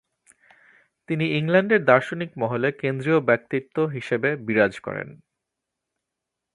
তিনি ইংল্যান্ডের দার্শনিক মহলে কেন্দ্রীয় ব্যক্তিত্ব হিসেবে বিরাজ করেন।